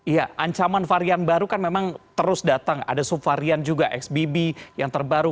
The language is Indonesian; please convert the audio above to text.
ya ancaman varian baru kan memang terus datang ada subvarian juga xbb yang terbaru